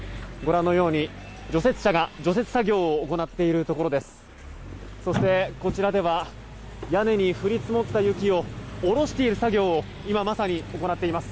除雪車が除雪作業を行っているところです。